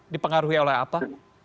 dipengaruhi oleh apa